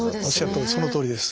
そのとおりです。